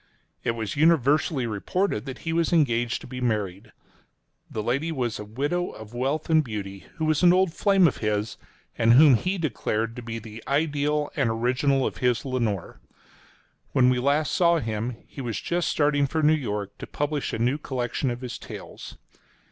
It was universally reported that he was engaged to be married. The lady was a widow, of wealth and beauty, who was an old flame of his, and whom he declared to be the ideal and original of his Lenore. When we last saw him, he was just starting for New York, to publish a new collection of his tales.